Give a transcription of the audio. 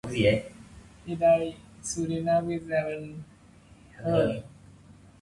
He died soon enough without an heir.